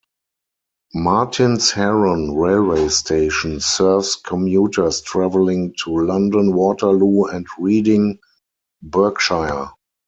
Martins Heron railway station serves commuters travelling to London Waterloo and Reading, Berkshire.